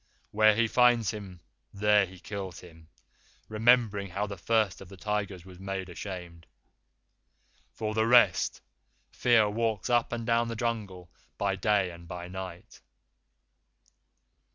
Where he finds him, there he kills him, remembering how the First of the Tigers was made ashamed. For the rest, Fear walks up and down the Jungle by day and by night."